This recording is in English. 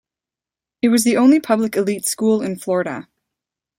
It was the only Public Elite school in Florida.